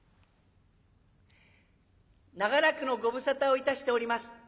「長らくのご無沙汰をいたしております。